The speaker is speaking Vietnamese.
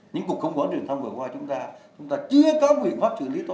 những cuộc khủng hoảng truyền thông vừa qua chúng ta chúng ta chưa có nguyện pháp truyền lý tốt hơn